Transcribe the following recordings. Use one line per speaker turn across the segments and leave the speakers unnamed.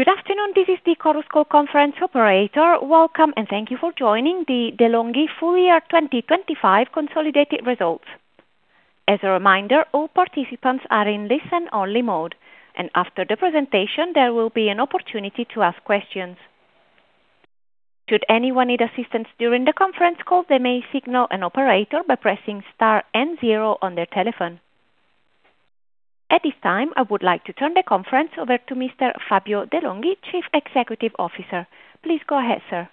Good afternoon. This is the Chorus Call Conference Operator. Welcome and thank you for joining the De'Longhi Full Year 2025 Consolidated Results. As a reminder, all participants are in listen-only mode, and after the presentation, there will be an opportunity to ask questions. Should anyone need assistance during the conference call, they may signal an operator by pressing star and zero on their telephone. At this time, I would like to turn the conference over to Mr. Fabio de' Longhi, Chief Executive Officer. Please go ahead, sir.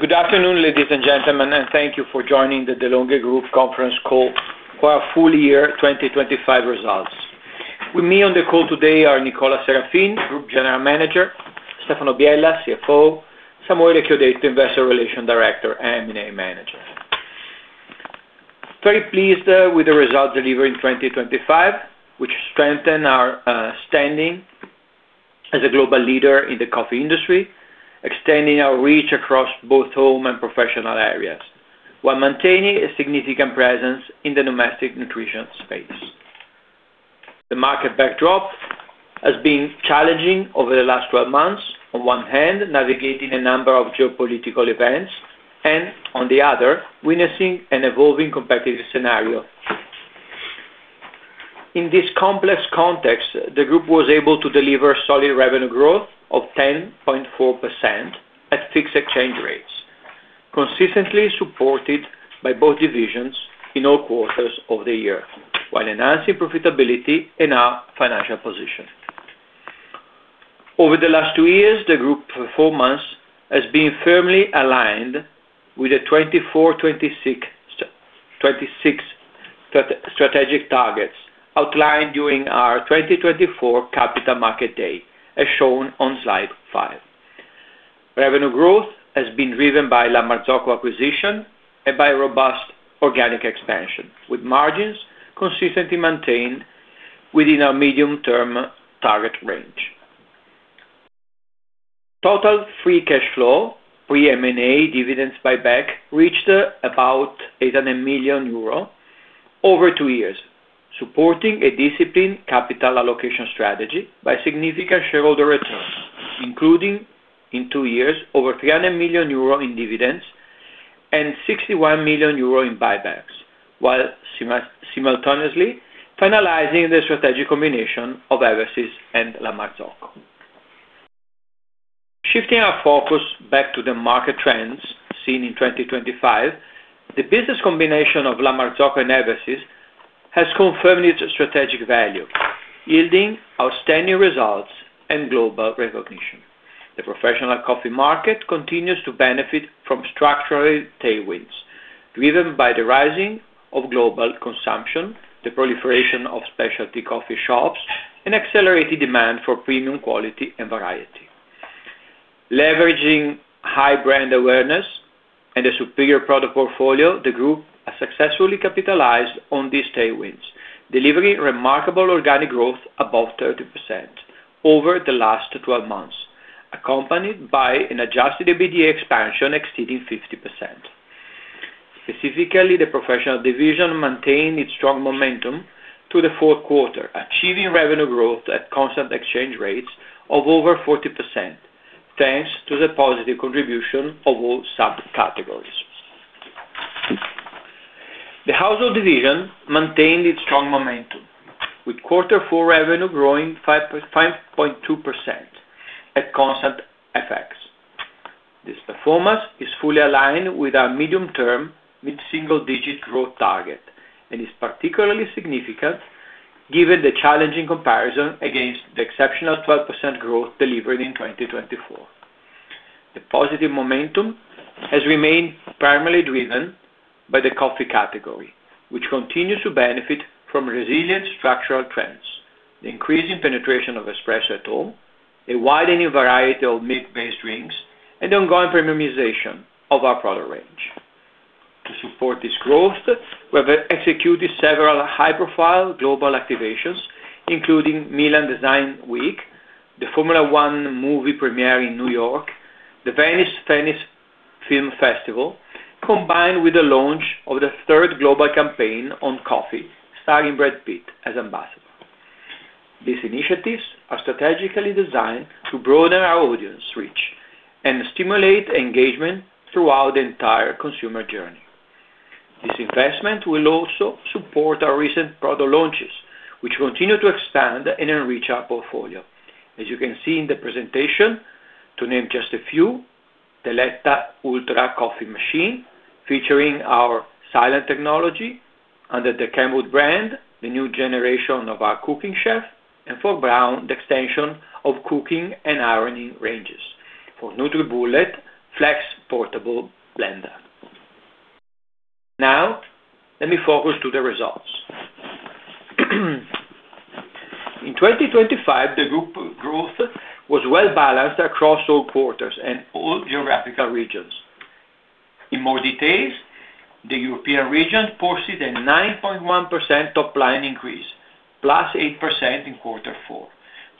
Good afternoon, ladies and gentlemen, and thank you for joining the De'Longhi Group conference call for our full year 2025 results. With me on the call today are Nicola Serafin, Group General Manager; Stefano Biella, CFO; Samuele Chiodetto, Investor Relations Director and M&A Manager. Very pleased with the results delivered in 2025, which strengthen our standing as a global leader in the coffee industry, extending our reach across both home and professional areas, while maintaining a significant presence in the domestic nutrition space. The market backdrop has been challenging over the last 12 months. On one hand, navigating a number of geopolitical events, and on the other, witnessing an evolving competitive scenario. In this complex context, the group was able to deliver solid revenue growth of 10.4% at fixed exchange rates, consistently supported by both divisions in all quarters of the year while enhancing profitability in our financial position. Over the last two years, the group performance has been firmly aligned with the 2024, 2026 strategic targets outlined during our 2024 Capital Markets Day, as shown on slide five. Revenue growth has been driven by La Marzocco acquisition and by robust organic expansion, with margins consistently maintained within our medium-term target range. Total free cash flow, pre-M&A dividends buyback, reached about 800 million euro over two years, supporting a disciplined capital allocation strategy by significant shareholder returns, including in two years over 300 million euro in dividends and 61 million euro in buybacks while simultaneously finalizing the strategic combination of Eversys and La Marzocco. Shifting our focus back to the market trends seen in 2025, the business combination of La Marzocco and Eversys has confirmed its strategic value, yielding outstanding results and global recognition. The professional coffee market continues to benefit from structural tailwinds, driven by the rising of global consumption, the proliferation of specialty coffee shops, and accelerated demand for premium quality and variety. Leveraging high brand awareness and a superior product portfolio, the group has successfully capitalized on these tailwinds, delivering remarkable organic growth above 30% over the last 12 months, accompanied by an Adjusted EBITDA expansion exceeding 50%. Specifically, the professional division maintained its strong momentum to the fourth quarter, achieving revenue growth at constant exchange rates of over 40%, thanks to the positive contribution of all sub-categories. The household division maintained its strong momentum, with quarter four revenue growing 5.2% at constant FX. This performance is fully aligned with our medium-term mid-single-digit growth target and is particularly significant given the challenging comparison against the exceptional 12% growth delivered in 2024. The positive momentum has remained primarily driven by the coffee category, which continues to benefit from resilient structural trends, the increasing penetration of espresso at home, a widening variety of milk-based drinks, and the ongoing premiumization of our product range. To support this growth, we have executed several high-profile global activations, including Milan Design Week, the Formula One movie premiere in New York, the Venice Film Festival, combined with the launch of the third global campaign on coffee, starring Brad Pitt as ambassador. These initiatives are strategically designed to broaden our audience reach and stimulate engagement throughout the entire consumer journey. This investment will also support our recent product launches, which continue to expand and enrich our portfolio. As you can see in the presentation, to name just a few, the Eletta Ultra coffee machine featuring our silent technology under the Kenwood brand, the new generation of our Cooking Chef, and for Braun, the extension of cooking and ironing ranges. For NutriBullet, Flex Portable Blender. Now let me focus on the results. In 2025, the group growth was well-balanced across all quarters and all geographical regions. In more details, the European region posted a 9.1% top-line increase, +8% in quarter four,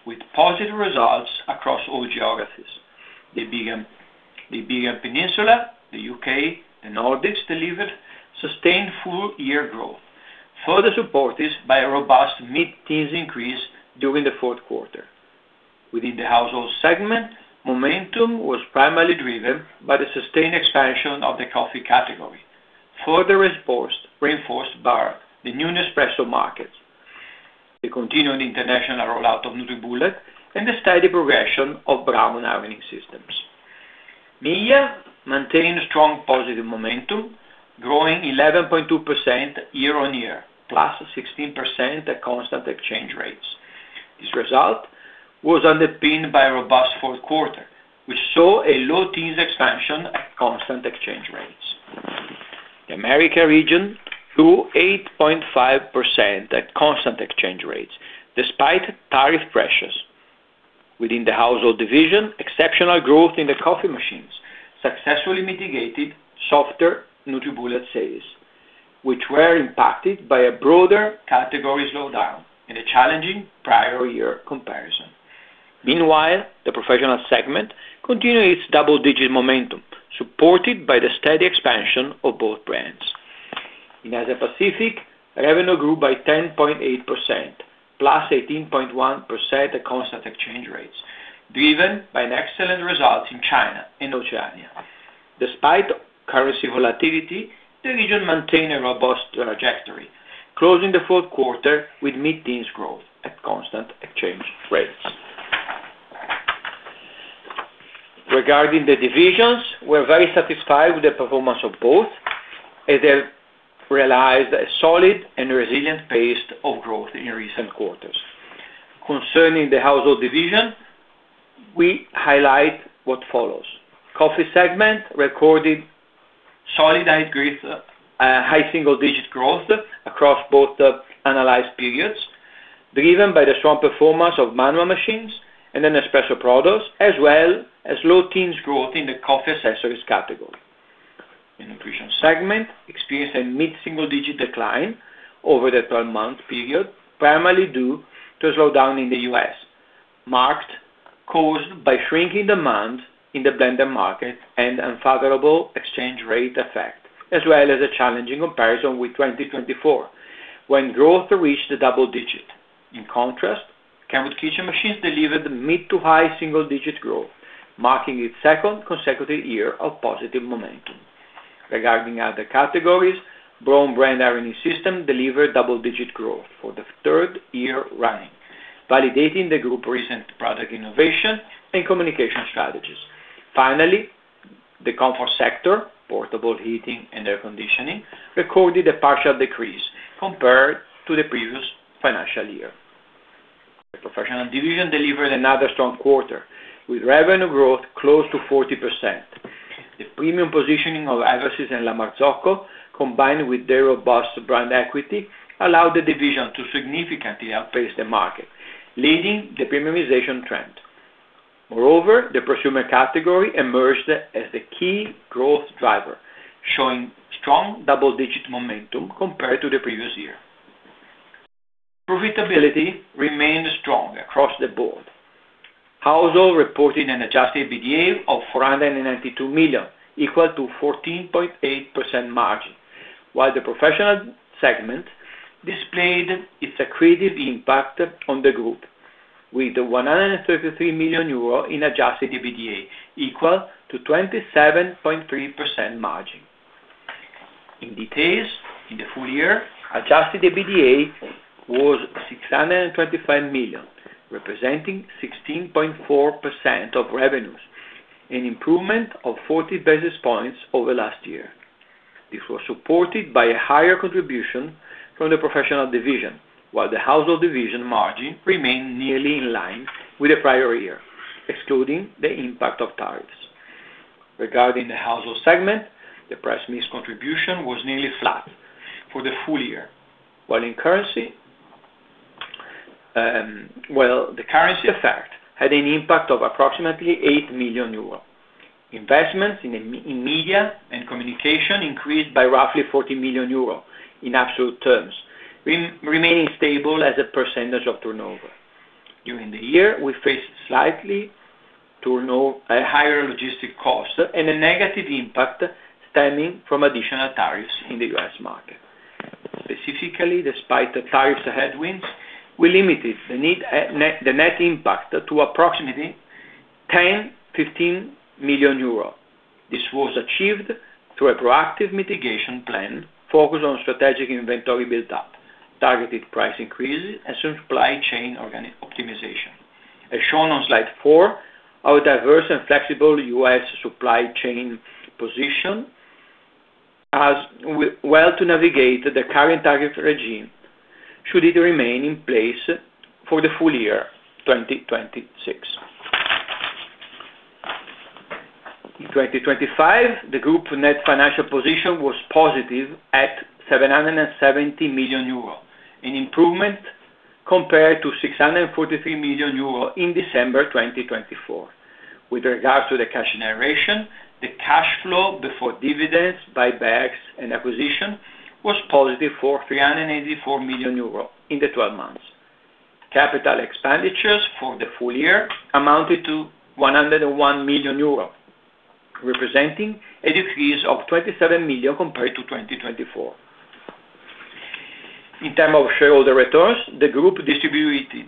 with positive results across all geographies. Iberian Peninsula, the U.K., the Nordics delivered sustained full year growth, further supported by a robust mid-teens increase during the fourth quarter. Within the household segment, momentum was primarily driven by the sustained expansion of the coffee category, further reinforced by the new Nespresso markets, the continuing international rollout of NutriBullet, and the steady progression of Braun ironing systems. MEIA maintained strong positive momentum, growing 11.2% year-on-year, +16% at constant exchange rates. This result was underpinned by a robust fourth quarter, which saw a low teens expansion at constant exchange rates. The America region grew 8.5% at constant exchange rates despite tariff pressures. Within the household division, exceptional growth in the coffee machines successfully mitigated softer NutriBullet sales, which were impacted by a broader category slowdown and a challenging prior year comparison. Meanwhile, the professional segment continued its double-digit momentum, supported by the steady expansion of both brands. In Asia Pacific, revenue grew by 10.8%, +18.1% at constant exchange rates, driven by an excellent result in China and Oceania. Despite currency volatility, the region maintained a robust trajectory, closing the fourth quarter with mid-teens growth at constant exchange rates. Regarding the divisions, we're very satisfied with the performance of both, as they realized a solid and resilient pace of growth in recent quarters. Concerning the household division, we highlight what follows. Coffee segment recorded solid growth, high single-digit growth across both the analyzed periods, driven by the strong performance of manual machines and espresso products, as well as low-teens growth in the coffee accessories category. Nutrition segment experienced a mid-single-digit decline over the 12-month period, primarily due to a slowdown in the U.S., marked by shrinking demand in the blended market and unfavorable exchange rate effect, as well as a challenging comparison with 2024, when growth reached the double-digit. In contrast, Kenwood Kitchen machines delivered mid-to-high single-digit growth, marking its second consecutive year of positive momentum. Regarding other categories, Braun brand ironing system delivered double-digit growth for the third year running, validating the group's recent product innovation and communication strategies. Finally, the comfort sector, portable heating and air conditioning, recorded a partial decrease compared to the previous financial year. The professional division delivered another strong quarter, with revenue growth close to 40%. The premium positioning of Eversys and La Marzocco, combined with their robust brand equity, allowed the division to significantly outpace the market, leading the premiumization trend. Moreover, the prosumer category emerged as the key growth driver, showing strong double-digit momentum compared to the previous year. Profitability remained strong across the board. Household reported an Adjusted EBITDA of 492 million, equal to 14.8% margin, while the professional segment displayed its accretive impact on the group with 133 million euros in Adjusted EBITDA, equal to 27.3% margin. In detail, in the full year, Adjusted EBITDA was 625 million, representing 16.4% of revenues, an improvement of 40 basis points over last year. This was supported by a higher contribution from the professional division, while the household division margin remained nearly in line with the prior year, excluding the impact of tariffs. Regarding the household segment, the price mix contribution was nearly flat for the full year. While in currency, the currency effect had an impact of approximately 8 million euros. Investments in media and communication increased by roughly 40 million euros in absolute terms, remaining stable as a percentage of turnover. During the year, we faced slightly higher logistic costs and a negative impact stemming from additional tariffs in the U.S. market. Specifically, despite the tariffs headwinds, we limited the net impact to approximately 10 million-15 million euros. This was achieved through a proactive mitigation plan focused on strategic inventory build-up, targeted price increases, and supply chain optimization. As shown on slide four, our diverse and flexible US supply chain position positions us well to navigate the current tariff regime should it remain in place for the full year, 2026. In 2025, the group net financial position was positive at 770 million euros, an improvement compared to 643 million euros in December 2024. With regards to the cash generation, the cash flow before dividends, buybacks, and acquisition was positive for 384 million euro in the 12 months. Capital expenditures for the full year amounted to 101 million euros, representing a decrease of 27 million compared to 2024. In terms of shareholder returns, the group distributed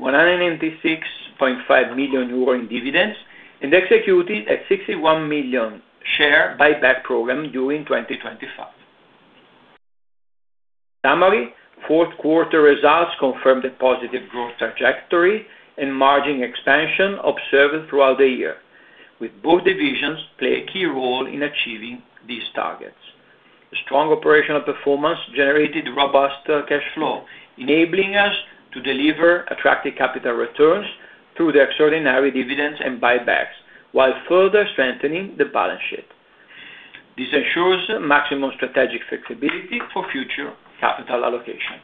196.5 million euro in dividends and executed a 61 million share buyback program during 2025. Summary. Fourth quarter results confirmed a positive growth trajectory and margin expansion observed throughout the year, with both divisions play a key role in achieving these targets. The strong operational performance generated robust cash flow, enabling us to deliver attractive capital returns through the extraordinary dividends and buybacks, while further strengthening the balance sheet. This ensures maximum strategic flexibility for future capital allocation.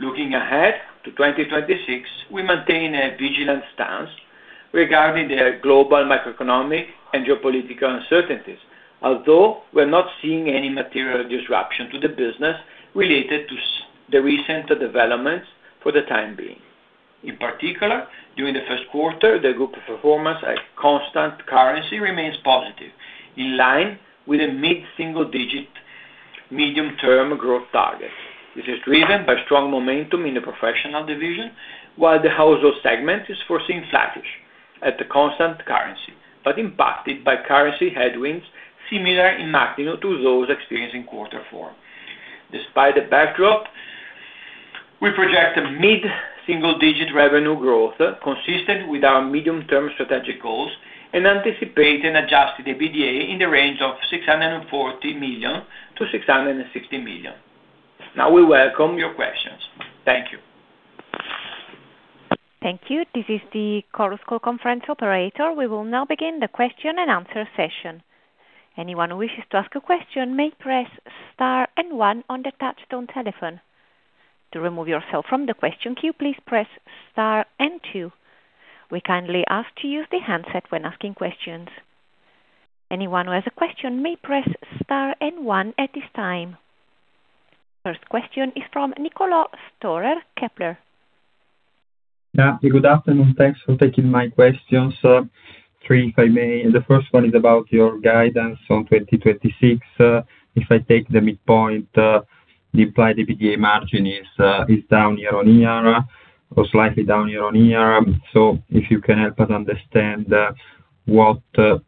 Looking ahead to 2026, we maintain a vigilant stance regarding the global macroeconomic and geopolitical uncertainties. Although we're not seeing any material disruption to the business related to the recent developments for the time being. In particular, during the first quarter, the group performance at constant currency remains positive, in line with a mid-single-digit medium-term growth target. This is driven by strong momentum in the professional division, while the household segment is foreseen flattish at a constant currency, but impacted by currency headwinds similar in magnitude to those experienced in quarter four. Despite the backdrop, we project a mid-single-digit revenue growth consistent with our medium-term strategic goals and anticipate in Adjusted EBITDA in the range of 640 million-660 million. Now we welcome your questions. Thank you.
Thank you. This is the Chorus Call conference operator. We will now begin the question and answer session. Anyone who wishes to ask a question may press star and one on the touchtone telephone. To remove yourself from the question queue, please press star and two. We kindly ask to use the handset when asking questions. Anyone who has a question may press star and one at this time. First question is from Niccolò Storer, Kepler.
Yeah, good afternoon. Thanks for taking my questions. Three, if I may. The first one is about your guidance on 2026. If I take the midpoint, the applied EBITDA margin is down year-on-year or slightly down year-on-year. If you can help us understand what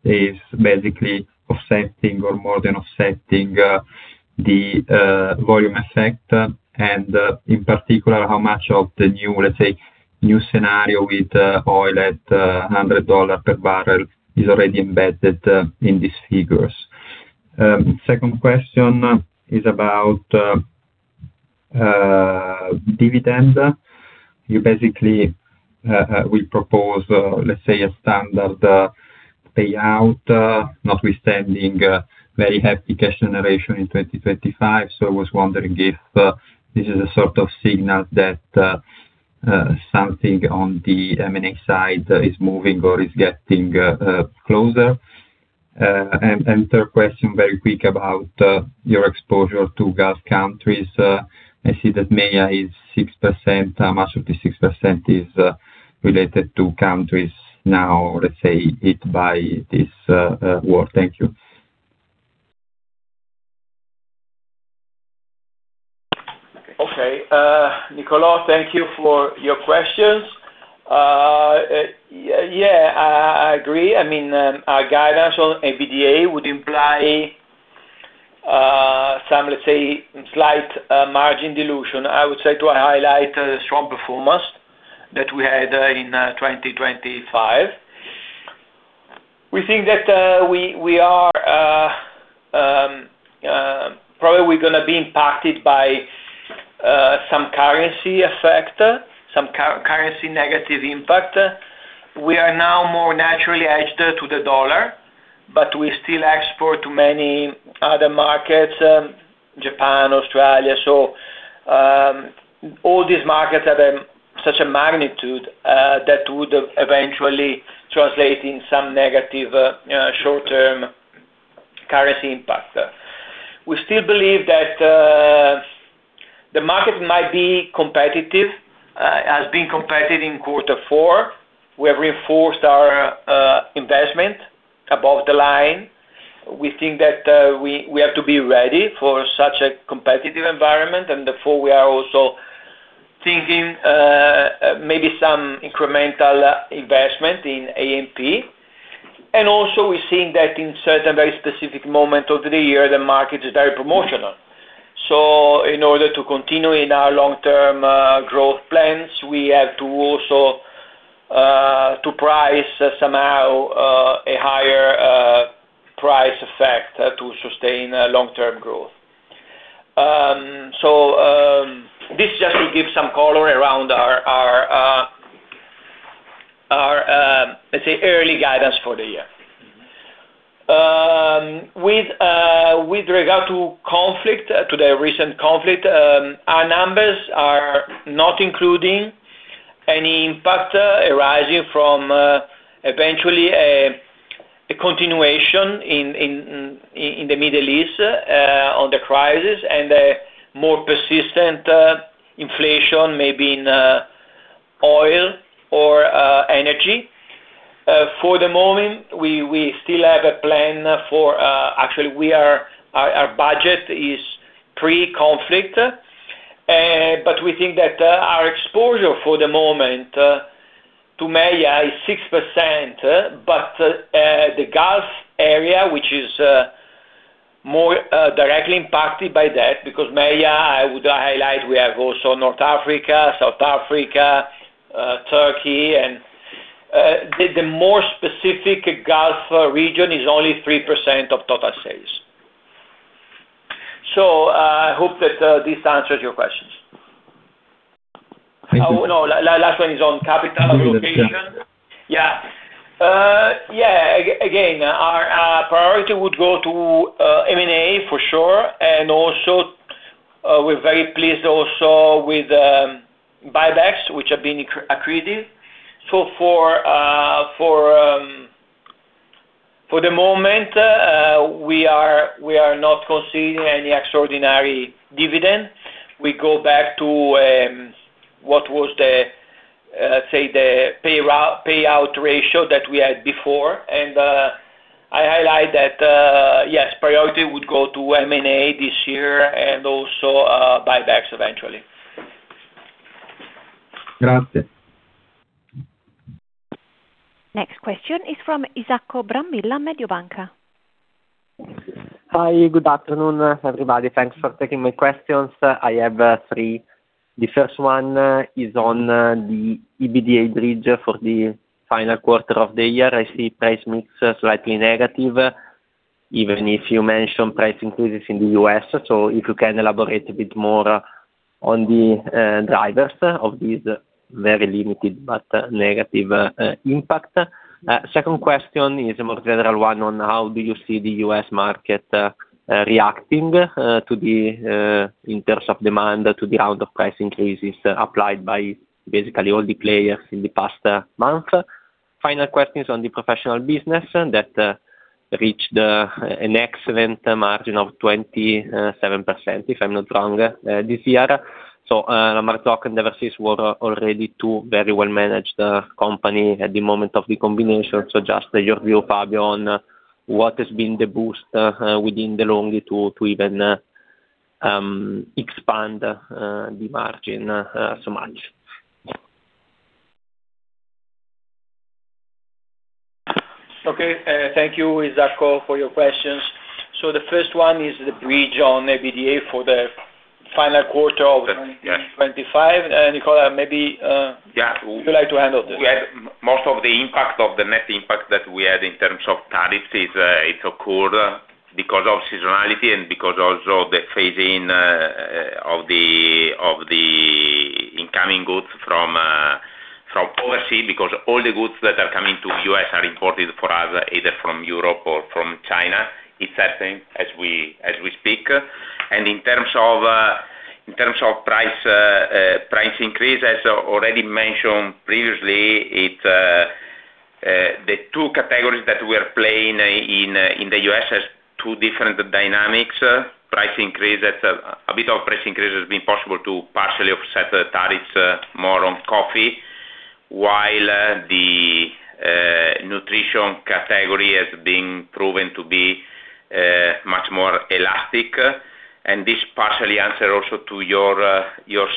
is basically offsetting or more than offsetting the volume effect, and in particular, how much of the new, let's say, new scenario with oil at $100 per barrel is already embedded in these figures. Second question is about dividend. You basically will propose, let's say, a standard payout, notwithstanding a very heavy cash generation in 2025. I was wondering if this is a sort of signal that something on the M&A side is moving or is getting closer. Third question, very quick about your exposure to Gulf countries. I see that MEIA is 6%. How much of the 6% is related to countries now, let's say, hit by this war? Thank you.
Okay. Niccolò, thank you for your questions. Yeah, I agree. I mean, our guidance on EBITDA would imply some, let's say, slight margin dilution. I would say to highlight the strong performance that we had in 2025. We think that we are probably gonna be impacted by some currency effect, some currency negative impact. We are now more naturally hedged to the dollar, but we still export to many other markets, Japan, Australia. All these markets are at such a magnitude that would eventually translate in some negative short-term currency impact. We still believe that the market might be competitive and being competitive in quarter four. We have reinforced our investment above the line. We think that we have to be ready for such a competitive environment, and therefore, we are also thinking maybe some incremental investment in A&P. We're seeing that in certain very specific moment of the year, the market is very promotional. In order to continue in our long-term growth plans, we have to also to price somehow a higher price effect to sustain long-term growth. This just to give some color around our let's say early guidance for the year. With regard to the recent conflict, our numbers are not including any impact arising from eventually a continuation in the Middle East on the crisis and a more persistent inflation maybe in oil or energy. Actually, our budget is pre-conflict. We think that our exposure for the moment to MEIA is 6%. The Gulf area, which is more directly impacted by that because MEIA, I would highlight, we have also North Africa, South Africa, Turkey and the more specific Gulf region is only 3% of total sales. I hope that this answers your questions.
Thank you.
Oh, no. Last one is on capital allocation.
Yes.
Our priority would go to M&A for sure. We're very pleased also with buybacks, which have been accretive. For the moment, we are not considering any extraordinary dividend. We go back to what was, say, the payout ratio that we had before. I highlight that yes, priority would go to M&A this year and also buybacks eventually.
Next question is from Isacco Brambilla, Mediobanca.
Hi, good afternoon, everybody. Thanks for taking my questions. I have three. The first one is on the EBITDA bridge for the final quarter of the year. I see price mix slightly negative, even if you mentioned price increases in the U.S. If you can elaborate a bit more on the drivers of these very limited but negative impact. Second question is a more general one on how do you see the U.S. market reacting in terms of demand to the impact of price increases applied by basically all the players in the past month? Final question is on the professional business that reached an excellent margin of 27%, if I'm not wrong, this year. La Marzocco and Eversys were already two very well managed companies at the moment of the combination. Just your view, Fabio, on what has been the boost within De'Longhi to even expand the margin so much.
Thank you, Isacco, for your questions. The first one is the bridge on EBITDA for the final quarter of 2025. Nicola, maybe,
Yeah.
Would you like to handle this?
We have most of the impact of the net impact that we had in terms of tariffs is. It occurred because of seasonality and because also the phasing of the incoming goods from overseas, because all the goods that are coming to U.S. are imported for us, either from Europe or from China. It's happening as we speak. In terms of price increase, as already mentioned previously, the two categories that we are playing in the U.S. has two different dynamics. Price increase. A bit of price increase has been possible to partially offset the tariffs more on coffee. While the nutrition category has been proven to be much more elastic. This partially answer also to your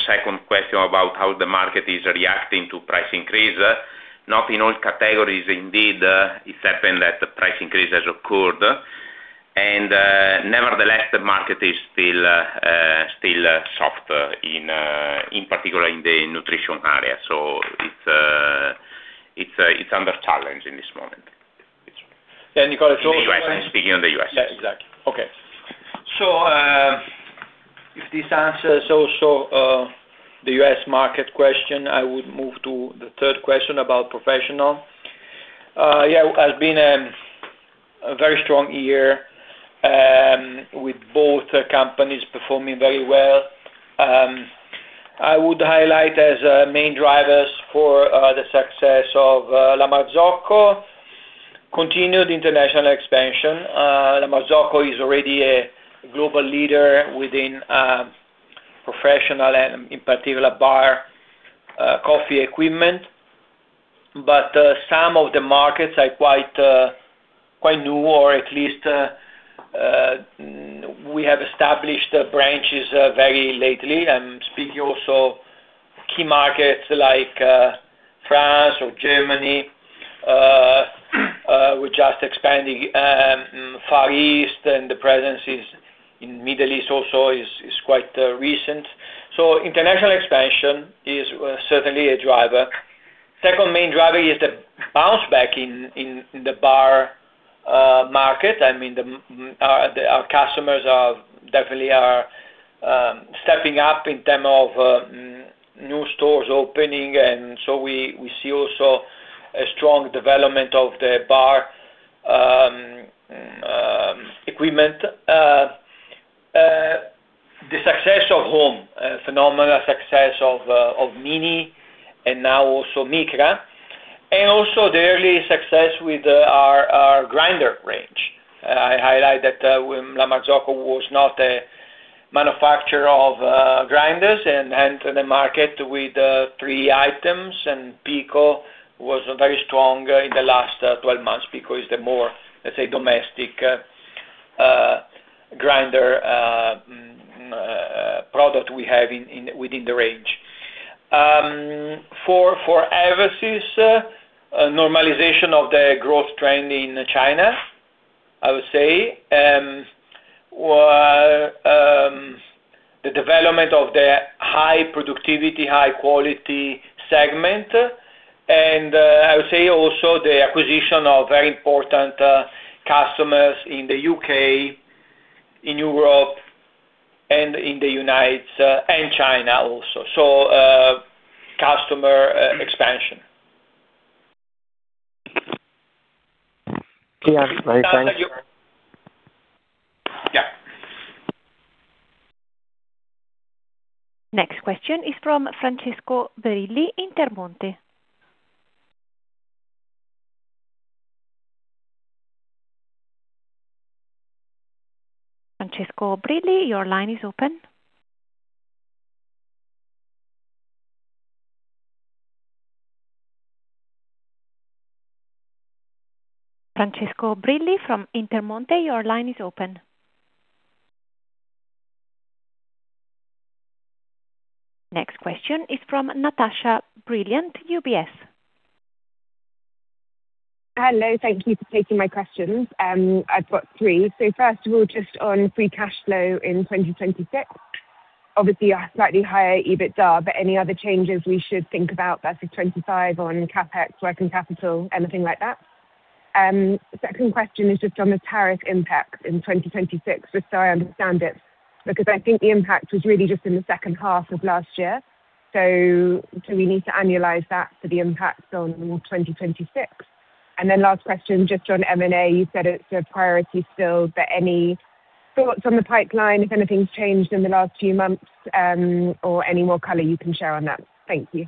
second question about how the market is reacting to price increase. Not in all categories, indeed, it happened that the price increase has occurred. Nevertheless, the market is still soft, in particular in the nutrition area. It's under challenge in this moment.
Yeah. Nicola
In the U.S. I'm speaking on the U.S.
Yeah, exactly. Okay. If this answers also the U.S. market question, I would move to the third question about professional. Yeah, has been a very strong year with both companies performing very well. I would highlight as main drivers for the success of La Marzocco continued international expansion. La Marzocco is already a global leader within professional and in particular bar coffee equipment. But some of the markets are quite new or at least we have established branches very lately. I'm speaking also key markets like France or Germany. We're just expanding Far East and the presence in Middle East also is quite recent. International expansion is certainly a driver. Second main driver is the bounce back in the bar market. I mean, our customers are definitely stepping up in terms of new stores opening. We see also a strong development of the bar equipment. Phenomenal success of Mini and now also Micra, and also the early success with our grinder range. I highlight that La Marzocco was not a manufacturer of grinders and enter the market with three items, and Pico was very strong in the last 12 months because the more, let's say, domestic grinder product we have within the range. For Eversys, normalization of the growth trend in China, I would say, the development of the high productivity, high quality segment, and, I would say also the acquisition of very important customers in the U.K., in Europe and in the United States and China also. Customer expansion.
Yes, very much.
Yeah.
Next question is from Francesco Brilli, Intermonte. Francesco Brilli, your line is open. Francesco Brilli from Intermonte, your line is open. Next question is from Natasha Brilliant, UBS.
Hello. Thank you for taking my questions. I've got three. First of all, just on free cash flow in 2026, obviously a slightly higher EBITDA, but any other changes we should think about versus 2025 on CapEx, working capital, anything like that? Second question is just on the tariff impact in 2026, as far I understand it, because I think the impact was really just in the second half of last year. Do we need to annualize that for the impact on 2026? And then last question, just on M&A, you said it's a priority still, but any thoughts on the pipeline, if anything's changed in the last few months, or any more color you can share on that? Thank you.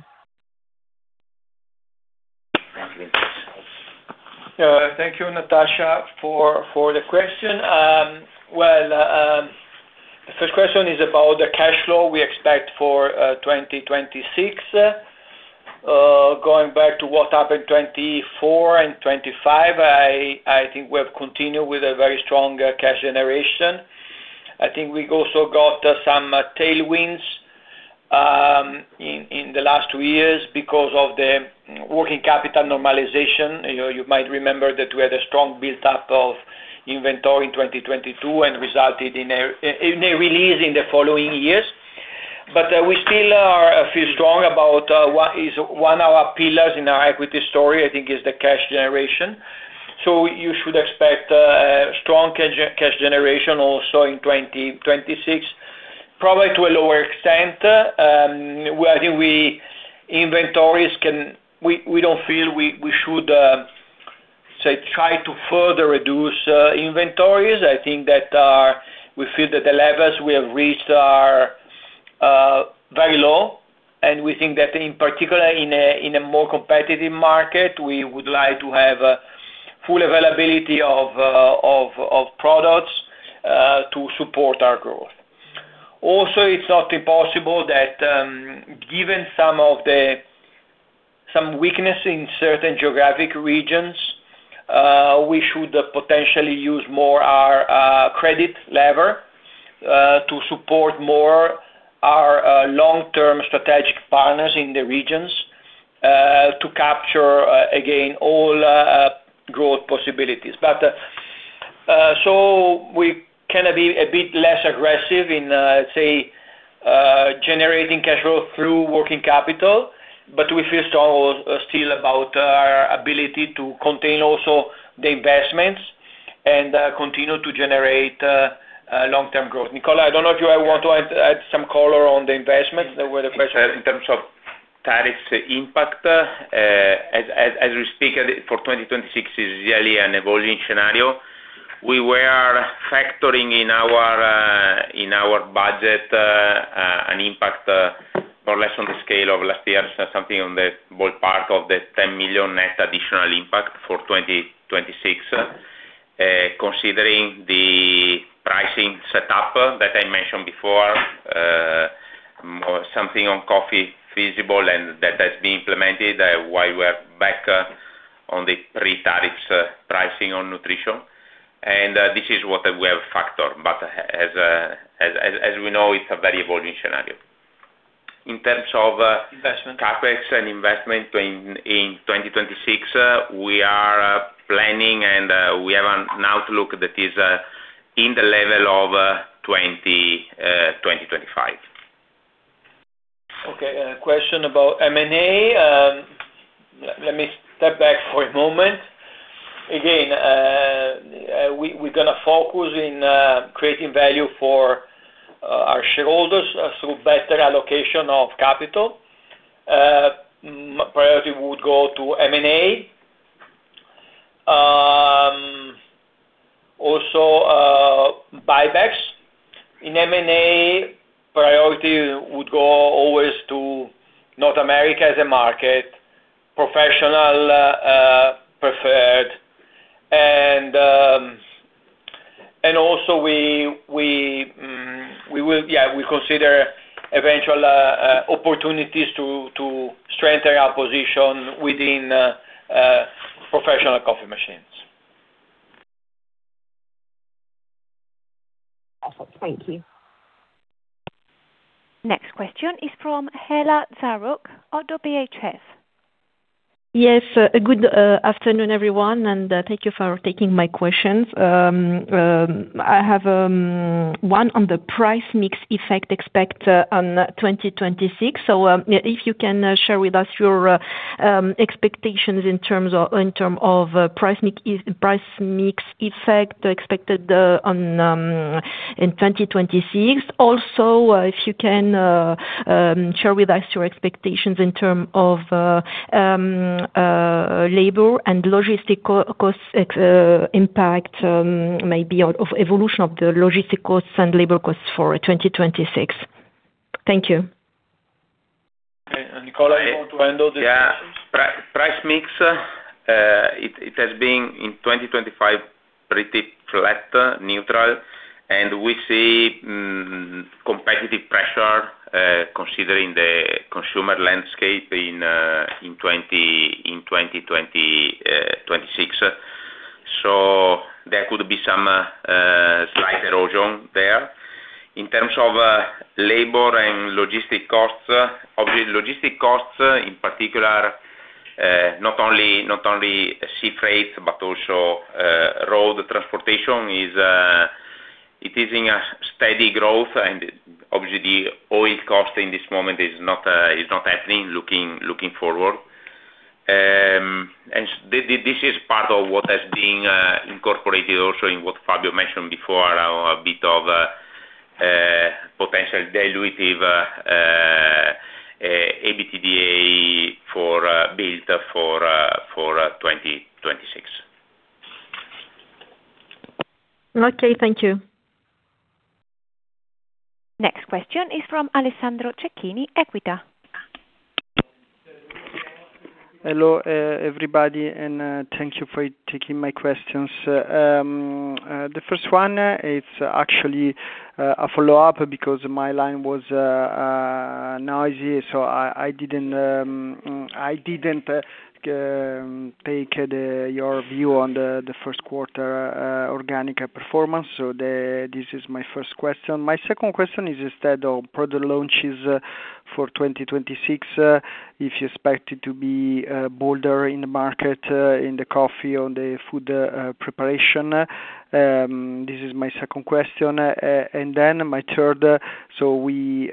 Thank you, Natasha, for the question. Well, first question is about the cash flow we expect for 2026. Going back to what happened 2024 and 2025, I think we have continued with a very strong cash generation. I think we also got some tailwinds in the last two years because of the working capital normalization. You know, you might remember that we had a strong build-up of inventory in 2022 and resulted in a release in the following years. We still feel strong about what is one of our pillars in our equity story, I think is the cash generation. You should expect strong cash generation also in 2026, probably to a lower extent. I think inventories can. We don't feel we should, say, try to further reduce inventories. I think that we feel that the levels we have reached are very low, and we think that in particular in a more competitive market, we would like to have full availability of products to support our growth. Also, it's not impossible that, given some weakness in certain geographic regions, we should potentially use more our credit leverage to support more our long-term strategic partners in the regions to capture again all growth possibilities. We can be a bit less aggressive in, say, generating cash flow through working capital, but we feel strong still about our ability to contain also the investments and continue to generate long-term growth. Nicola, I don't know if you want to add some color on the investment where the question.
In terms of tariff impact, as we speak for 2026, it's really an evolving scenario. We were factoring in our budget an impact more or less on the scale of last year, something in the ballpark of 10 million net additional impact for 2026. Considering the pricing setup that I mentioned before, more feasible on coffee and that has been implemented, while we're back on the pre-tariff pricing on nutrition. This is what we have factored, but as we know, it's a very evolving scenario.
Investment.
CapEx and investment in 2026, we are planning and we have an outlook that is in the level of 2025.
Okay. A question about M&A. Let me step back for a moment. Again, we're gonna focus on creating value for our shareholders through better allocation of capital. Priority would go to M&A, buybacks. In M&A priority would go always to North America as a market, professional preferred. Also we will consider eventual opportunities to strengthen our position within professional coffee machines.
Awesome. Thank you.
Next question is from Héla Zarrouk of ODDO BHF.
Yes. Good afternoon, everyone, and thank you for taking my questions. I have one on the price mix effect expected on 2026. If you can share with us your expectations in terms of price mix effect expected in 2026. Also, if you can share with us your expectations in terms of labor and logistics costs impact, maybe the evolution of the logistics costs and labor costs for 2026. Thank you.
Nicola, you want to handle this question?
Yeah. Price mix, it has been in 2025 pretty flat, neutral, and we see competitive pressure considering the consumer landscape in 2026. So there could be some slight erosion there. In terms of labor and logistics costs, obviously, logistics costs in particular, not only sea freight, but also road transportation is in a steady growth, and obviously oil cost in this moment is not helping looking forward. This is part of what has been incorporated also in what Fabio mentioned before, a bit of potential dilutive EBITDA for 2026.
Okay. Thank you.
Next question is from Alessandro Cecchini, Equita.
Hello, everybody, and thank you for taking my questions. The first one is actually a follow-up because my line was noisy, so I didn't take your view on the first quarter organic performance. This is my first question. My second question is instead of product launches for 2026, if you expect it to be bolder in the market, in the coffee or the food preparation. This is my second question. My third, we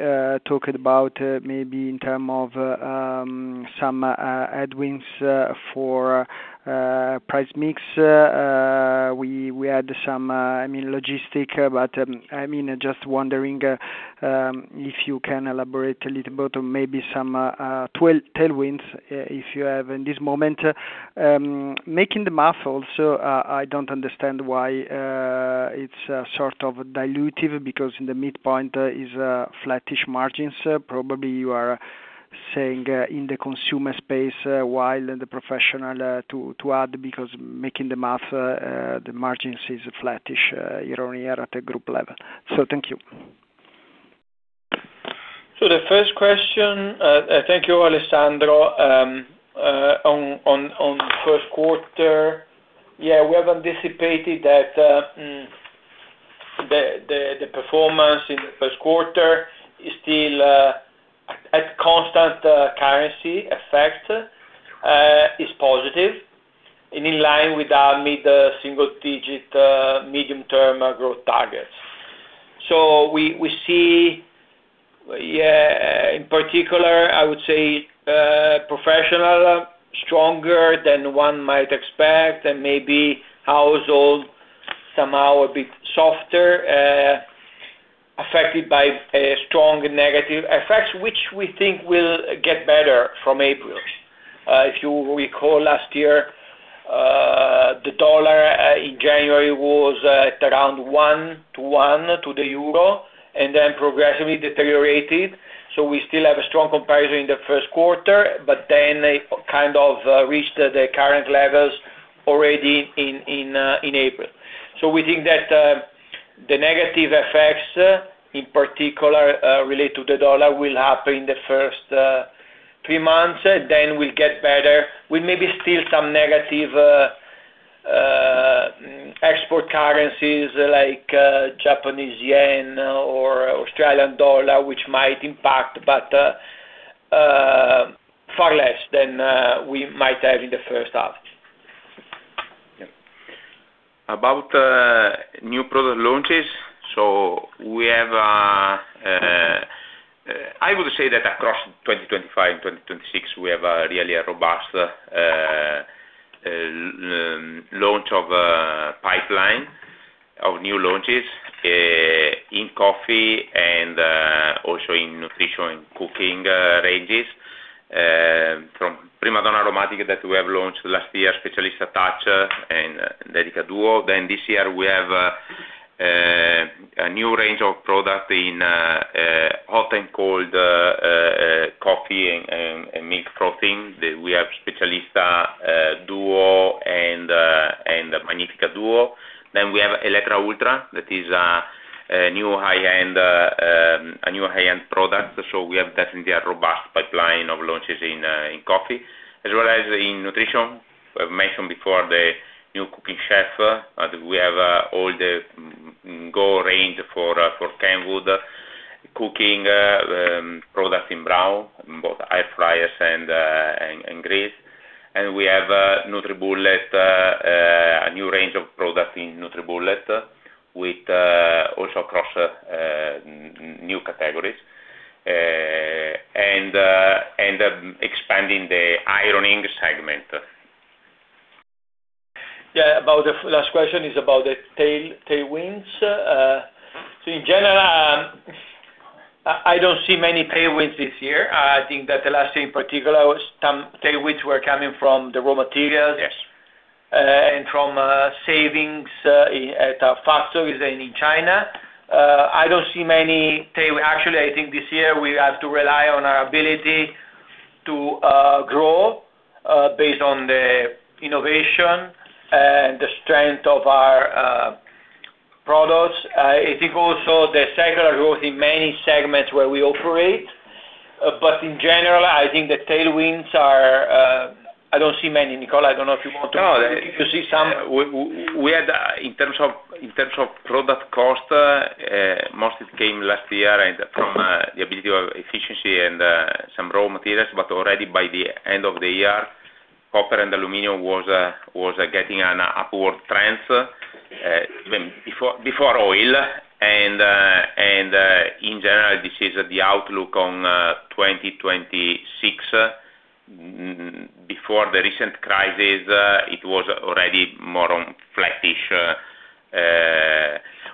talked about maybe in terms of some headwinds for price mix. We had some logistics, but I mean, just wondering if you can elaborate a little about maybe some tailwinds if you have in this moment. Making the math also, I don't understand why it's sort of dilutive because in the midpoint is flattish margins. Probably you are saying in the consumer space while in the professional to add because making the math the margins is flattish year-on-year at the group level. Thank you.
The first question, thank you, Alessandro. On first quarter, we have anticipated that the performance in the first quarter is still at constant currency effect is positive and in line with our mid-single-digit medium-term growth targets. We see in particular, I would say, professional stronger than one might expect, and maybe household somehow a bit softer affected by a strong negative FX, which we think will get better from April. If you recall last year, the dollar in January was at around one to one to the euro and then progressively deteriorated. We still have a strong comparison in the first quarter, but then it kind of reached the current levels already in April. We think that the negative FX, in particular, related to the dollar, will happen in the first three months, then will get better. With maybe still some negative export currencies like Japanese yen or Australian dollar, which might impact, but far less than we might have in the first half.
About new product launches. We have, I would say that across 2025, 2026, we have a really robust launch of a pipeline of new launches in coffee and also in nutrition and cooking ranges. Aromatic that we have launched last year, La Specialista Touch and Dedica Duo. This year we have a new range of product in hot and cold coffee and milk frothing. We have La Specialista Duo and Magnifica Duo. We have Eletta Ultra, that is a new high-end product. We have definitely a robust pipeline of launches in coffee as well as in nutrition. We've mentioned before the new Cooking Chef. We have all the Go range for Kenwood cooking products in Braun, both air fryers and grills. We have NutriBullet, a new range of products in NutriBullet with also across new categories and expanding the ironing segment.
Yeah. About the last question is about the tailwinds. In general, I don't see many tailwinds this year. I think that the last year in particular, some tailwinds were coming from the raw materials.
Yes.
From savings at our factories in China. I don't see many tailwinds. Actually, I think this year we have to rely on our ability to grow based on the innovation and the strength of our products. I think also the secular growth in many segments where we operate. In general, I think the tailwinds are, I don't see many. Nicola, I don't know if you want to.
No.
If you see some.
We had in terms of product cost, most of it came last year and from the ability of efficiency and some raw materials. Already by the end of the year, copper and aluminum was getting an upward trend even before oil. In general, this is the outlook on 2026. Before the recent crisis, it was already more on flattish.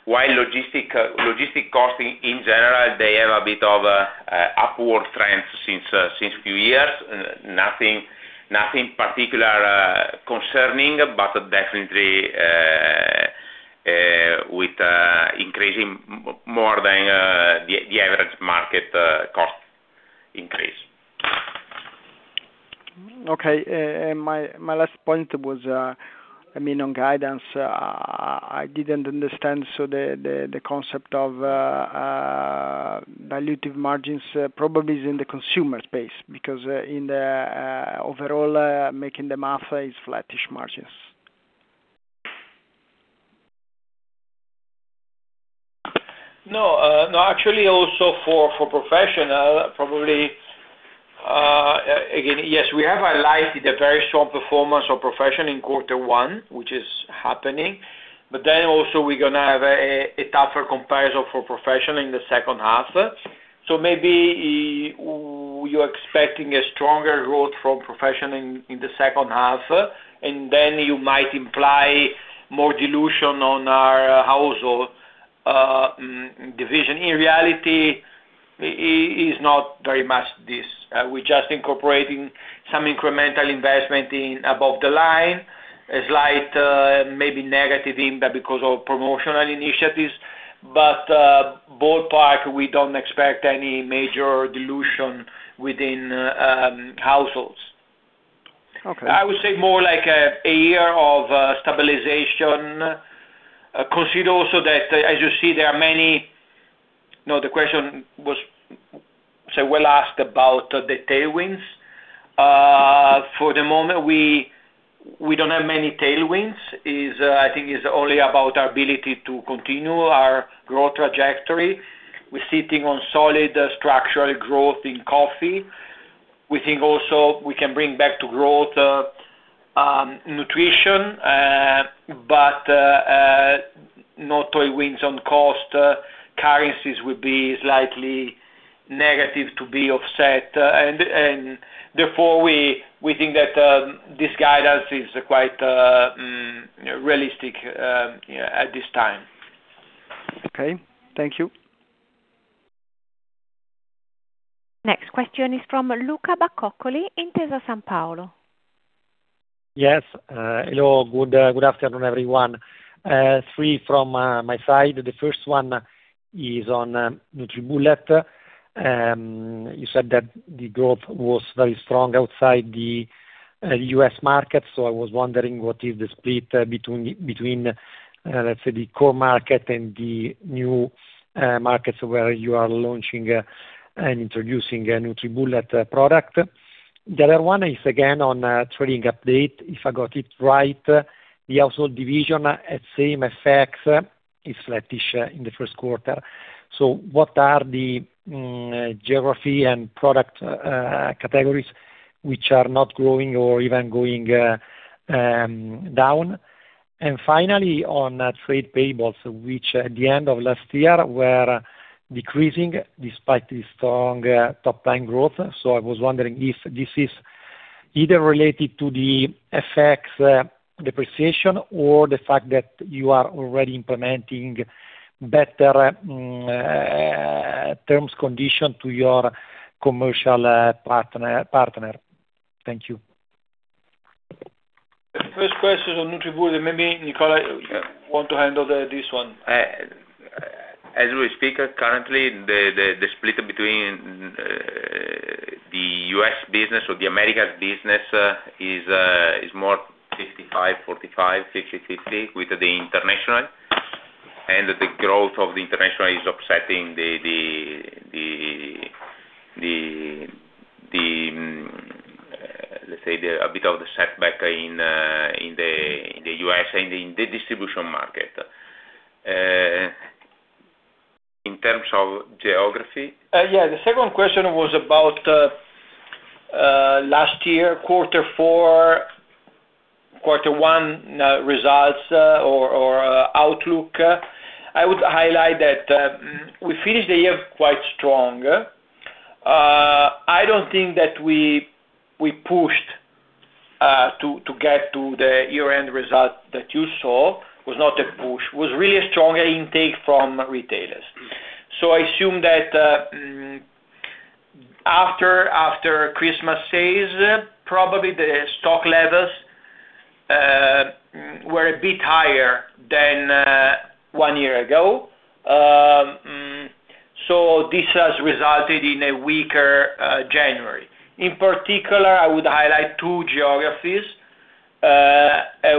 While logistics costs in general have a bit of upward trend since a few years. Nothing particular concerning, but definitely with increasing more than the average market cost increase.
Okay. My last point was, I mean, on guidance. I didn't understand, so the concept of dilutive margins probably is in the consumer space because, in the overall, making the math is flattish margins.
No, actually also for professional, probably, again, yes, we have highlighted a very strong performance of professional in quarter one, which is happening. Also we're gonna have a tougher comparison for professional in the second half. Maybe you're expecting a stronger growth from professional in the second half, and then you might imply more dilution on our household division. In reality, it is not very much this. We're just incorporating some incremental investment in above the line, a slight, maybe negative impact because of promotional initiatives. Ballpark, we don't expect any major dilution within households.
Okay.
I would say more like a year of stabilization. No, the question was so well asked about the tailwinds. For the moment, we don't have many tailwinds. It's only about our ability to continue our growth trajectory. We're sitting on solid structural growth in coffee. We think also we can bring nutrition back to growth, but no tailwinds on cost. Currencies will be slightly negative to be offset. Therefore, we think that this guidance is quite realistic at this time.
Okay. Thank you.
Next question is from Luca Bacoccoli, Intesa Sanpaolo.
Yes. Hello. Good afternoon, everyone. Three from my side. The first one is on NutriBullet. You said that the growth was very strong outside the U.S. market. I was wondering what is the split between, let's say, the core market and the new markets where you are launching and introducing a NutriBullet product. The other one is again on trading update. If I got it right, the household division at same FX is flattish in the first quarter. What are the geography and product categories which are not growing or even going down? Finally, on trade payables, which at the end of last year were decreasing despite the strong top line growth. I was wondering if this is either related to the FX depreciation or the fact that you are already implementing better terms condition to your commercial partner. Thank you.
First question on NutriBullet. Maybe Nicola wants to handle this one.
As we speak, currently, the split between the U.S. business or the American business is more 55, 45, 50/50 with the international. The growth of the international is offsetting, let's say, a bit of the setback in the U.S. and in the distribution market. In terms of geography?
Yeah. The second question was about last year, quarter four, quarter one results or outlook. I would highlight that we finished the year quite strong. I don't think that we pushed to get to the year-end result that you saw. Was not a push. Was really a strong intake from retailers. I assume that after Christmas sales, probably the stock levels were a bit higher than one year ago. This has resulted in a weaker January. In particular, I would highlight two geographies,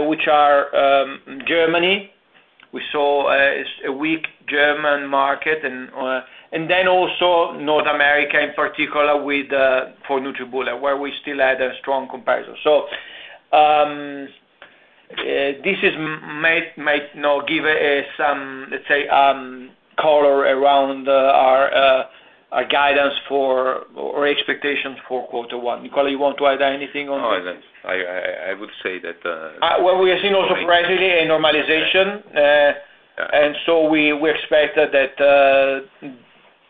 which are Germany. We saw a weak German market and then also North America, in particular with for NutriBullet, where we still had a strong comparison. Give us some, let's say, color around our guidance, or expectations for quarter one. Nicola, you want to add anything on this?
No, I don't. I would say that.
What we are seeing also presently a normalization. We expect that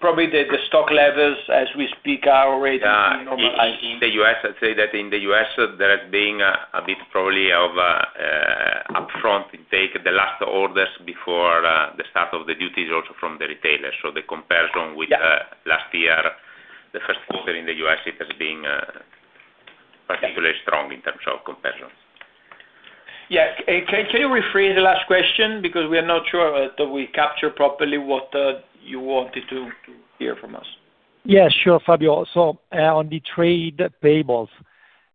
probably the stock levels as we speak are already normalized.
Yeah. In the U.S., I'd say there has been a bit probably of a upfront take. The last orders before the start of the duty is also from the retailer. The comparison with-
Yeah.
Last year, the first quarter in the U.S., it has been particularly strong in terms of comparison.
Yeah. Can you rephrase the last question? Because we are not sure that we capture properly what you wanted to hear from us.
Yeah, sure, Fabio. On the trade payables,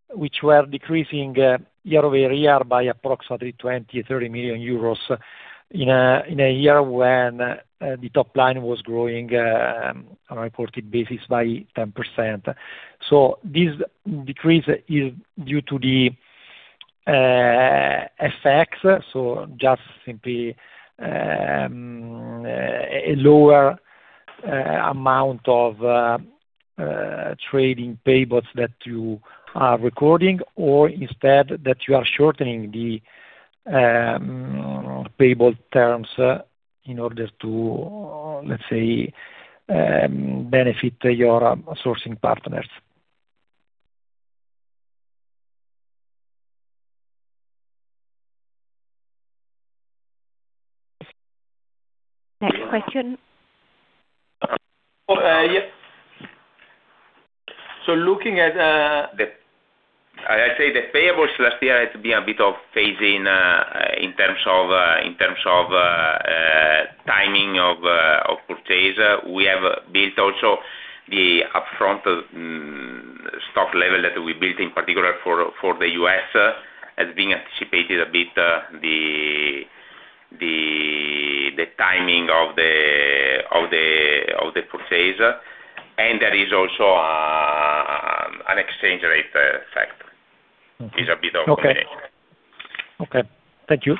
which were decreasing year-over-year by approximately 20 million-30 million euros in a year when the top line was growing on a reported basis by 10%. This decrease is due to the FX. Just simply a lower amount of trade payables that you are recording, or instead that you are shortening the payable terms in order to, let's say, benefit your sourcing partners.
Next question.
Okay. Looking at.
I'd say the payables last year has been a bit of phasing in terms of timing of purchase. We have built also the upfront stock level that we built in particular for the U.S. has been anticipated a bit the timing of the purchase. There is also an exchange rate factor.
Mm-hmm.
Is a bit of.
Okay. Thank you.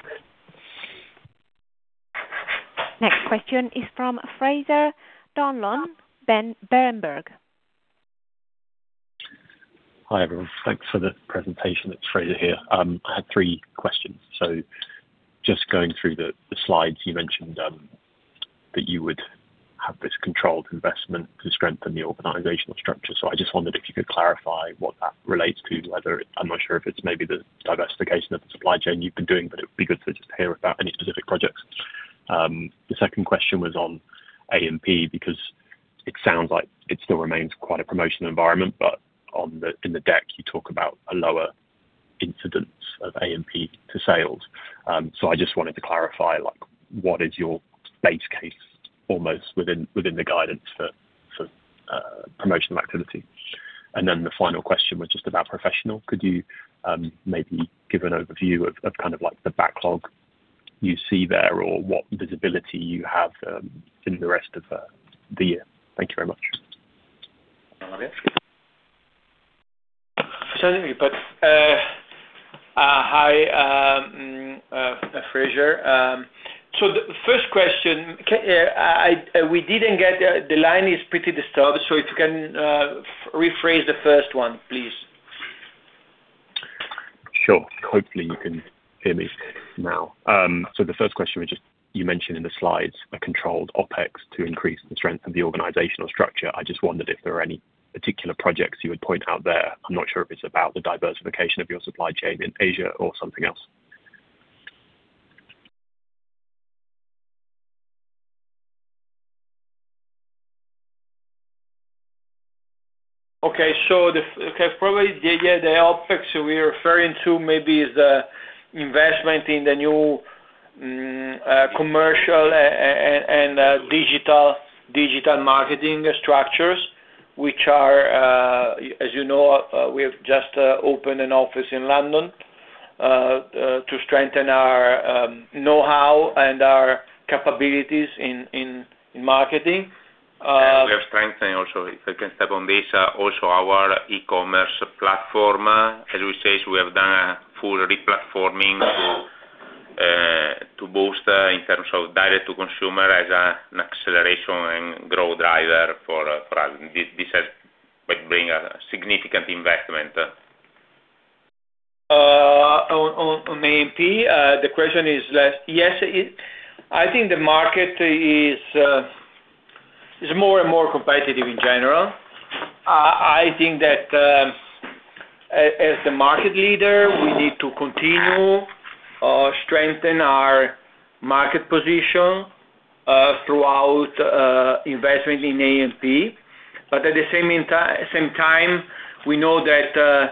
Next question is from Fraser Donlon, Berenberg.
Hi, everyone. Thanks for the presentation. It's Fraser Donlon here. I had three questions. Just going through the slides, you mentioned that you would have this controlled investment to strengthen the organizational structure. I just wondered if you could clarify what that relates to, whether it's maybe the diversification of the supply chain you've been doing, but it'd be good to just hear about any specific projects. The second question was on A&P, because it sounds like it still remains quite a promotional environment, but in the deck, you talk about a lower incidence of A&P to sales. I just wanted to clarify, like, what is your base case almost within the guidance for promotional activity. Then the final question was just about professional. Could you maybe give an overview of kind of like the backlog you see there or what visibility you have in the rest of the year? Thank you very much.
Fabio. Sorry, hi, Fraser. We didn't get the first question. The line is pretty disturbed. If you can rephrase the first one, please.
Sure. Hopefully, you can hear me now. The first question was just, you mentioned in the slides a controlled OpEx to increase the strength of the organizational structure. I just wondered if there are any particular projects you would point out there. I'm not sure if it's about the diversification of your supply chain in Asia or something else.
Probably, yeah, the OpEx we are referring to maybe is the investment in the new commercial and digital marketing structures, which are, as you know, we have just opened an office in London to strengthen our know-how and our capabilities in marketing.
We are strengthening also, if I can step on this, also our e-commerce platform. As we said, we have done a full re-platforming to boost in terms of direct-to-consumer as an acceleration and growth driver for us. This has, like, bring a significant investment.
On A&P, the question is that yes, it—I think the market is more and more competitive in general. I think that, as the market leader, we need to continue strengthen our market position throughout investment in A&P. But at the same time, we know that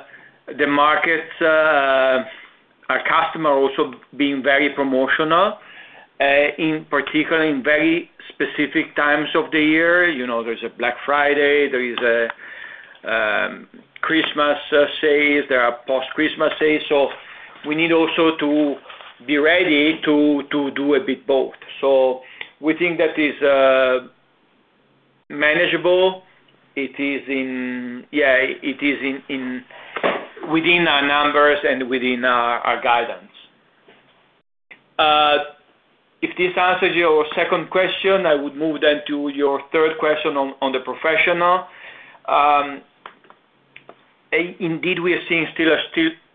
the markets, our customer also being very promotional, in particular, in very specific times of the year. You know, there's a Black Friday, there is a Christmas sales, there are post-Christmas sales. So we need also to be ready to do a bit both. So we think that is manageable. It is in. Yeah, it is in within our numbers and within our guidance. If this answers your second question, I would move on to your third question on the professional. Indeed, we are seeing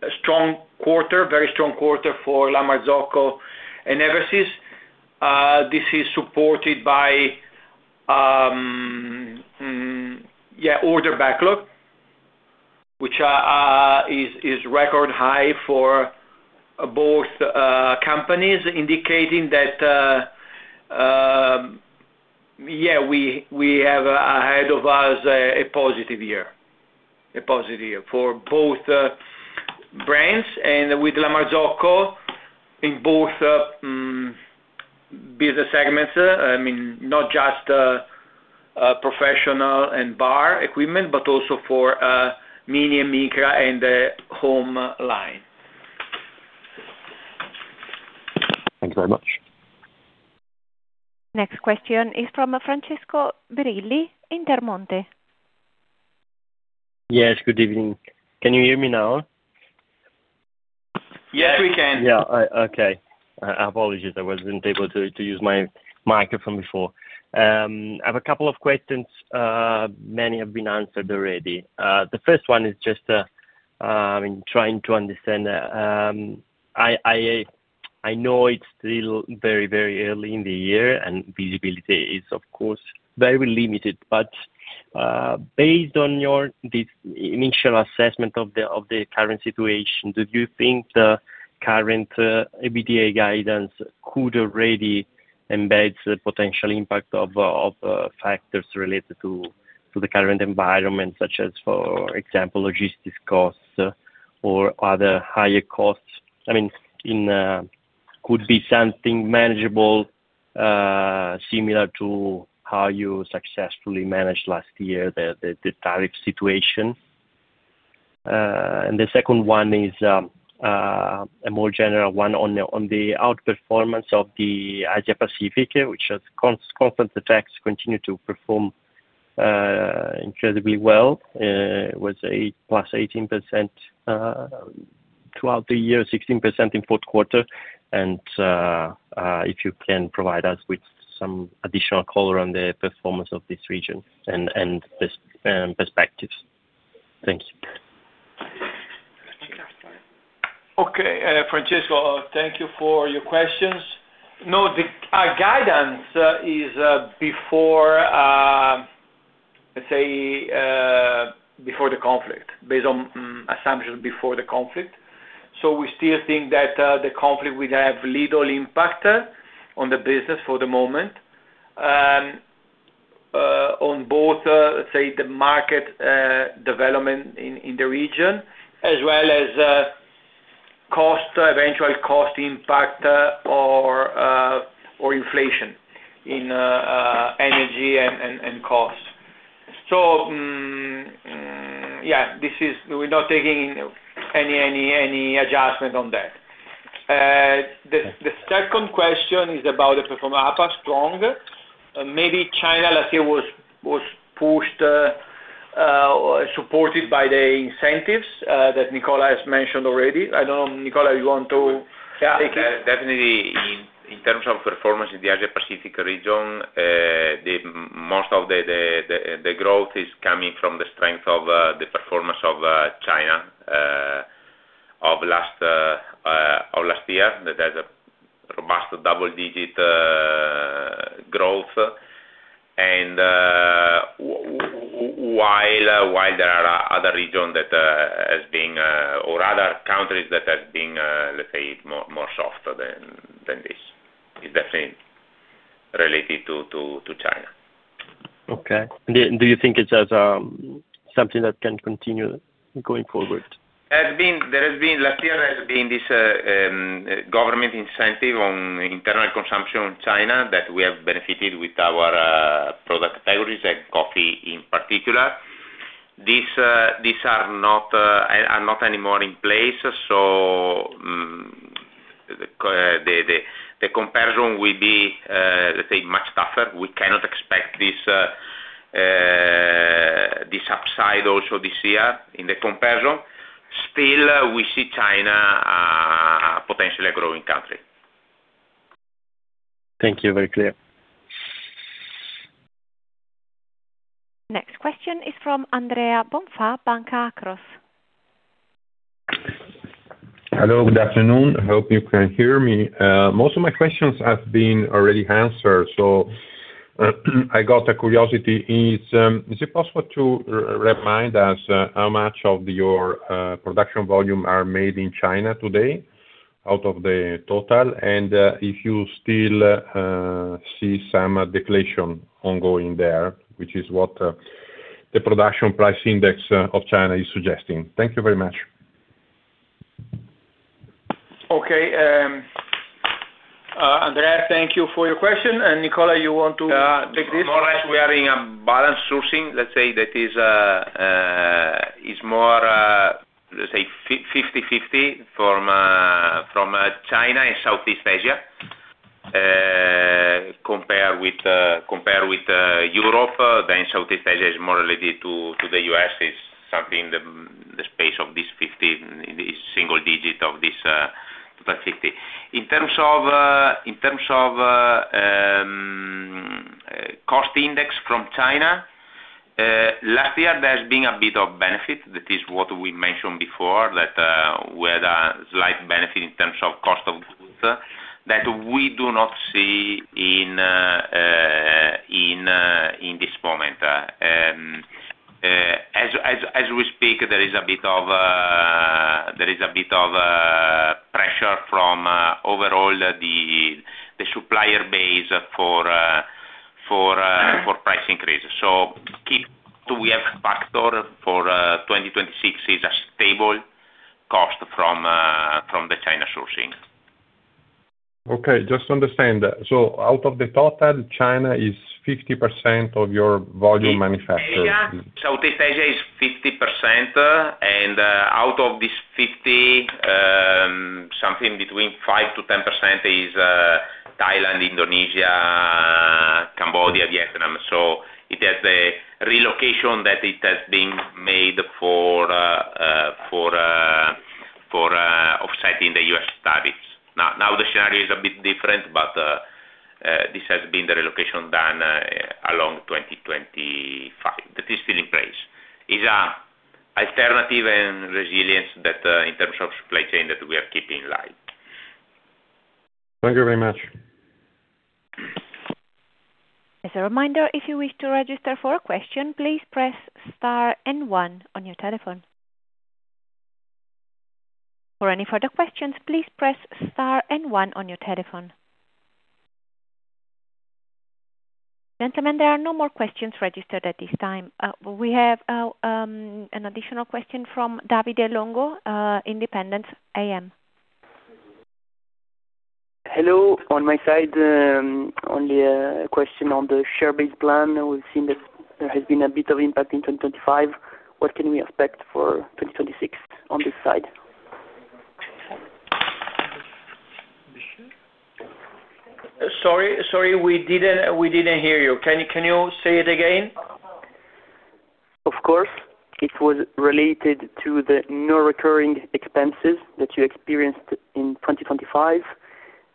a still strong quarter, very strong quarter for La Marzocco and Eversys. This is supported by order backlog, which is record high for both companies, indicating that we have ahead of us a positive year for both brands. With La Marzocco, in both business segments, I mean, not just professional and bar equipment, but also for Mini and Micra and the home line.
Thank you very much.
Next question is from Francesco Brilli, Intermonte.
Yes, good evening. Can you hear me now?
Yes, we can.
Yeah. Okay. Apologies, I wasn't able to use my microphone before. I have a couple of questions. Many have been answered already. The first one is just trying to understand. I know it's still very, very early in the year, and visibility is, of course, very limited. Based on this initial assessment of the current situation, do you think the current EBITDA guidance could already embed the potential impact of factors related to the current environment, such as, for example, logistics costs or other higher costs? I mean, could be something manageable, similar to how you successfully managed last year, the tariff situation. The second one is a more general one on the outperformance of the Asia Pacific, which has consistently continued to perform incredibly well with +18% throughout the year, 16% in fourth quarter. If you can provide us with some additional color on the performance of this region and perspectives. Thank you.
Okay. Francesco, thank you for your questions. No, our guidance is before, let's say, before the conflict, based on assumptions before the conflict. We still think that the conflict will have little impact on the business for the moment. On both, let's say the market development in the region, as well as cost, eventual cost impact, or inflation in energy and cost. We're not taking any adjustment on that. The second question is about the performance, how it was strong. Maybe China last year was pushed or supported by the incentives that Nicola has mentioned already. I don't know, Nicola, you want to take it?
Yeah. Definitely in terms of performance in the Asia Pacific region, most of the growth is coming from the strength of the performance of China of last year. That has a robust double-digit growth. While there are other region that has been, or other countries that have been, let's say, more softer than this. It definitely related to China.
Okay. Do you think it's something that can continue going forward?
Last year there has been this government incentive on internal consumption in China that we have benefited with our product categories and coffee in particular. These are not anymore in place. The comparison will be, let's say, much tougher. We cannot expect this upside also this year in the comparison. Still, we see China potentially a growing country.
Thank you. Very clear.
Next question is from Andrea Bonfà, Banca Akros.
Hello, good afternoon. I hope you can hear me. Most of my questions have been already answered. I got a curiosity, is it possible to remind us how much of your production volume are made in China today out of the total? If you still see some deflation ongoing there, which is what the producer price index of China is suggesting. Thank you very much.
Okay. Andrea, thank you for your question. Nicola, you want to take this?
More or less, we are in balance sourcing. Let's say that is more, let's say 50/50 from China and Southeast Asia. Compared with Europe, then Southeast Asia is more related to the U.S. It's something the space of this 50, this single-digit of this 50/50. In terms of cost index from China, last year there's been a bit of benefit. That is what we mentioned before, that we had a slight benefit in terms of cost of goods that we do not see in this moment. As we speak, there is a bit of pressure from the overall supplier base for price increases. Key to which we have factored for 2026 is a stable cost from the China sourcing.
Okay. Just to understand. Out of the total, China is 50% of your volume manufactured.
Southeast Asia is 50%. Out of this 50%, something between 5%-10% is Thailand, Indonesia, Cambodia, Vietnam. It has a relocation that it has been made for offsetting the U.S. tariffs. Now the scenario is a bit different, but this has been the relocation done along 2025. That is still in place. It is an alternative and resilience that in terms of supply chain we are keeping alive.
Thank you very much.
As a reminder, if you wish to register for a question, please press star and one on your telephone. For any further questions, please press star and one on your telephone. Gentlemen, there are no more questions registered at this time. We have an additional question from Davide Longo, Indépendance AM.
Hello. On my side, only a question on the share-based plan. We've seen that there has been a bit of impact in 2025. What can we expect for 2026 on this side?
Sorry, we didn't hear you. Can you say it again?
Of course. It was related to the non-recurring expenses that you experienced in 2025.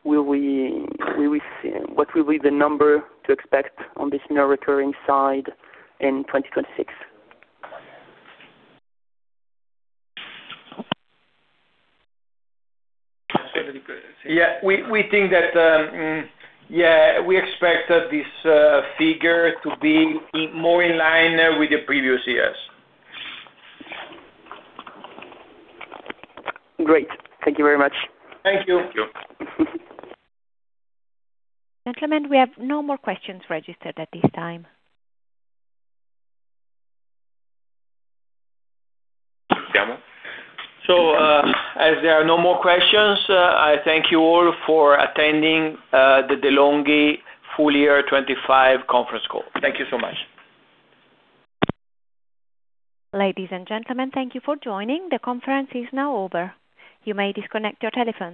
Will we see what will be the number to expect on this non-recurring side in 2026?
Yeah. We think that, yeah, we expect this figure to be more in line with the previous years.
Great. Thank you very much.
Thank you.
Thank you.
Gentlemen, we have no more questions registered at this time.
As there are no more questions, I thank you all for attending the De'Longhi full year 2025 conference call. Thank you so much.
Ladies and gentlemen, thank you for joining. The conference is now over. You may disconnect your telephones.